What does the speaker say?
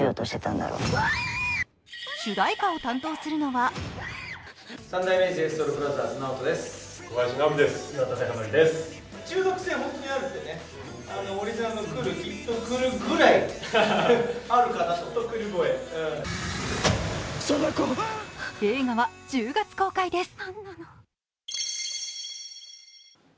主題歌を担当するのは映画は１０月公開です。